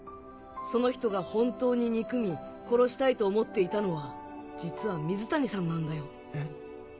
その人が本当に憎み殺したいと思っていたのは実は水谷さんなんだよ。え？